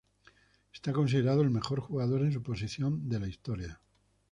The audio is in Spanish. Es considerado el mejor jugador en su posición de la historia.